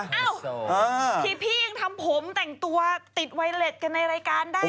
ที่พี่ยังทำผมแต่งตัวติดไวเล็ตกันในรายการได้